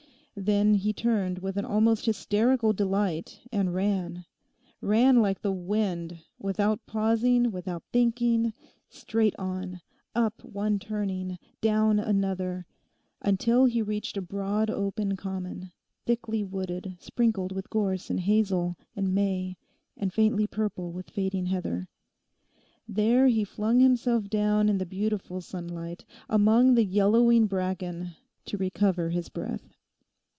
Then he turned with an almost hysterical delight and ran—ran like the wind, without pausing, without thinking, straight on, up one turning, down another, until he reached a broad open common, thickly wooded, sprinkled with gorse and hazel and may, and faintly purple with fading heather. There he flung himself down in the beautiful sunlight, among the yellowing bracken, to recover his breath.